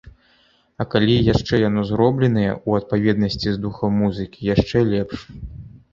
А калі яшчэ яно зробленае ў адпаведнасці з духам музыкі, яшчэ лепш.